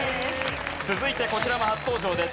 続いてこちらも初登場です。